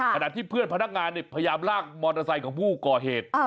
ขณะที่เพื่อนพนักงานพยายามลากมอเตอร์ไซค์ของผู้ก่อเหตุ